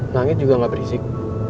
langit juga gak berisik